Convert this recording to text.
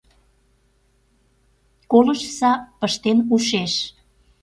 Колыштса, пыштен ушеш